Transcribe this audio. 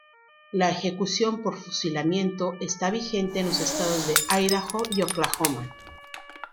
La ejecución por fusilamiento está vigente en los estados de Idaho y Oklahoma.